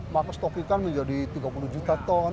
maka stok ikan menjadi tiga puluh juta ton